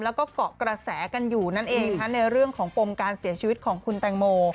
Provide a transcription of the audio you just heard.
แล้วก็เกาะกระแสกันอยู่นั่นเองในเรื่องของปมการเสียชีวิตของคุณแตงโม